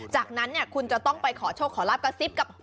จากนั้นเนี่ยคุณจะต้องไปขอโชคขอลาบกระซิบกับ